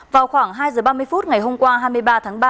vào khoảng hai giờ ba mươi phút ngày hôm qua hai mươi ba tháng ba